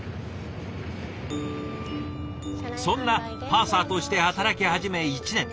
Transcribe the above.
そんなパーサーとして働き始め１年。